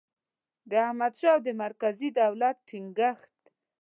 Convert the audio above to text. د احمدشاه او د مرکزي دولت ټینګیښت